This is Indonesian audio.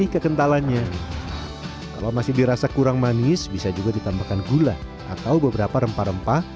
kekentalannya kalau masih dirasa kurang manis bisa juga ditambahkan gula atau beberapa rempah rempah